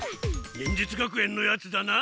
忍術学園のヤツだな？